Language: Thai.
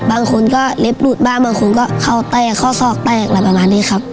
บางคนก็เล็บหลุดบ้างบางคนก็เข้าแตกเข้าซอกแตกอะไรประมาณนี้ครับ